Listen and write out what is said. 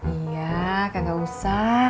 iya gak usah